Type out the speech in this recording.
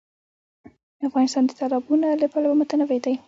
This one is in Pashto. افغانستان د تالابونه له پلوه متنوع دی.